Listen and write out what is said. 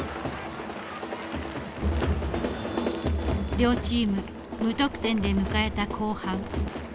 両チーム無得点で迎えた後半。